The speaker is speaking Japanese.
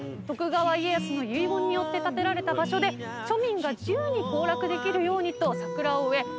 徳川家康の遺言によって建てられた場所で庶民が自由に行楽できるようにと桜を植え